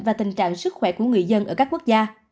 và tình trạng sức khỏe của người dân ở các quốc gia